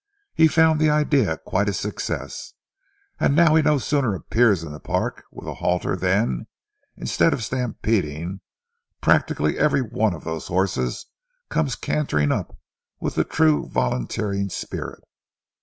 He found the idea quite a success, and now he no sooner appears in the park with a halter than, instead of stampeding, practically every one of those horses comes cantering up with the true volunteering spirit.